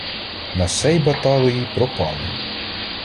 На сей баталиї пропали: